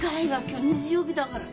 今日日曜日だから。